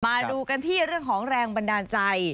มาดูกันที่เรื่องของแรงบันดาลใจ